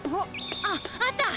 ああった！